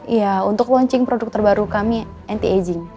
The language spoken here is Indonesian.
iya untuk launching produk terbaru kami anti aging